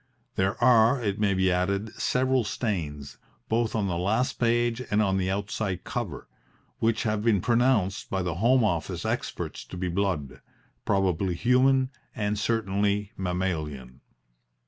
There are, it may be added, several stains, both on the last page and on the outside cover, which have been pronounced by the Home Office experts to be blood probably human and certainly mammalian.